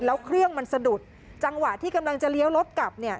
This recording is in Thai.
แล้วเครื่องมันสะดุดจังหวะที่กำลังจะเลี้ยวรถกลับเนี่ย